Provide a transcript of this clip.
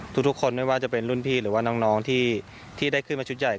ทุกคนไม่ว่าจะเป็นรุ่นพี่หรือว่าน้องที่ได้ขึ้นมาชุดใหญ่